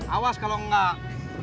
awas kalau enggak